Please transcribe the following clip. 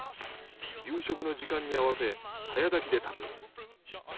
夕食の時間に合わせ早炊きで炊く。